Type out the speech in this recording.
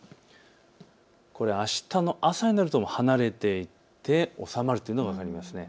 これ、あしたの朝になるともう離れていって収まるというのが分かります。